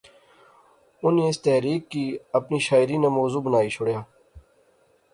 انی اس تحریک کی اپنی شاعری ناں موضوع بنائی شوڑیا